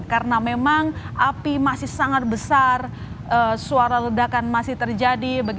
karena memang api masih sangat besar suara ledakan masih terjadi